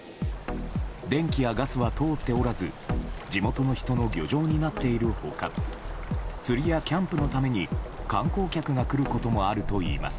電気やガスは通っておらず地元の人の漁場になっている他釣りやキャンプのために観光客が来ることもあります。